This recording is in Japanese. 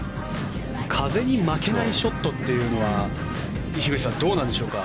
風の負けないショットというのは樋口さん、どうなんでしょうか